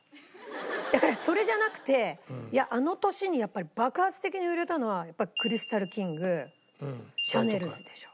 だからそれじゃなくてあの年にやっぱり爆発的に売れたのはクリスタルキングシャネルズでしょ。